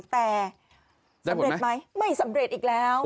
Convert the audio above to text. แต่ได้ผลมั้ยไม่สำเร็จอีกแล้ว